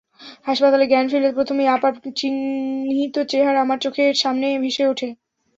হাসপাতালে জ্ঞান ফিরলে প্রথমেই আপার চিন্তিত চেহারা আমার চোখের সামনে ভেসে ওঠে।